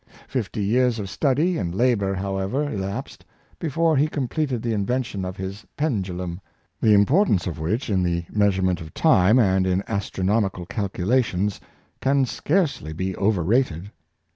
Fifty years of study and labor, however, elapsed, before he completed the invention of his Pen dulum— the importance of which, in the measurement of time and in astronomical calculations, can scarcely be overrated.